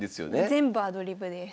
全部アドリブです。